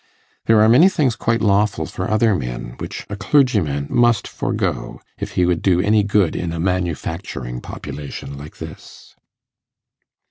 There are many things quite lawful for other men, which a clergyman must forego if he would do any good in a manufacturing population like this.